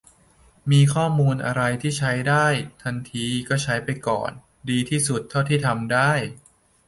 มีข้อมูลอะไรที่ใช้ได้ทันที ก็ใช้ไปก่อน ดีที่สุดเท่าที่ทำได้